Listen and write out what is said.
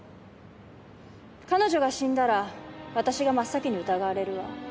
彼女が死んだら私が真っ先に疑われるわ。